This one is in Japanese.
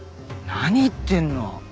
何言ってんの？